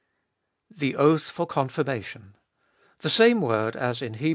"The oath for confirmation." The same word as in Heb.